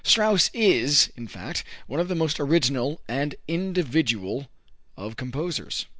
Strauss is, in fact, one of the most original and individual of composers.